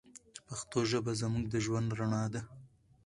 پښتو ژبه زموږ د ژوند رڼا ده.